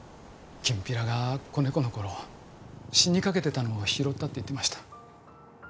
きんぴらが子猫の頃死にかけてたのを拾ったって言ってました